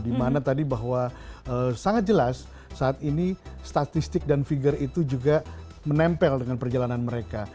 dimana tadi bahwa sangat jelas saat ini statistik dan figure itu juga menempel dengan perjalanan mereka